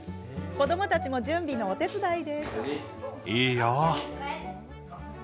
子どもたちも準備のお手伝い。